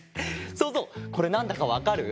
そうぞうこれなんだかわかる？